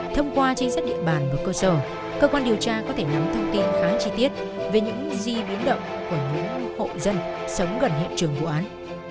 thông qua trinh sát địa bàn và cơ sở cơ quan điều tra có thể nắm thông tin khá chi tiết về những di biến động của những hộ dân sống gần hiện trường vụ án